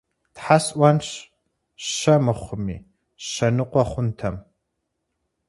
Тхьэ сӀуэнщ, щэ мыхъуми, щэ ныкъуэ хъунтэм!